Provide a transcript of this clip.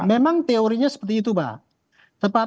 memang teorinya seperti itu pak